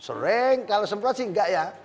sering kalau semprot sih enggak ya